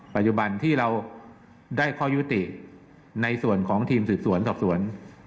ปัจจุบันที่เราได้ข้อยุติในส่วนของทีมสืบสวนสอบสวน